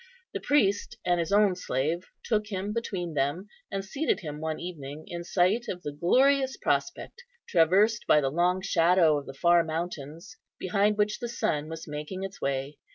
The priest and his own slave took him between them, and seated him one evening in sight of the glorious prospect, traversed by the long shadow of the far mountains, behind which the sun was making its way.